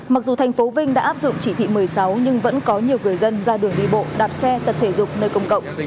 mặc dù thành phố vinh đã áp dụng chỉ thị một mươi sáu nhưng vẫn có nhiều người dân ra đường đi bộ đạp xe tập thể dục nơi công cộng